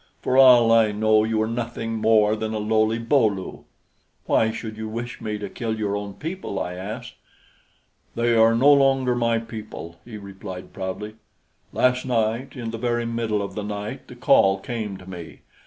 For all I know, you are nothing more than a lowly Bo lu." "Why should you wish me to kill your own people?" I asked. "They are no longer my people," he replied proudly. "Last night, in the very middle of the night, the call came to me.